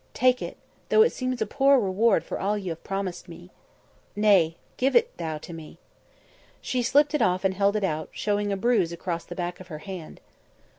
"Take it, though it seems a poor reward for all you have promised me." "Nay, give it thou to me." She slipped it off and held it out, showing a bruise across the back of her hand.